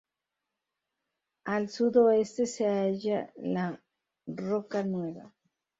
Al sudoeste se halla la roca Nueva.